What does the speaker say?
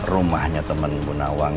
rumahnya temen bunawang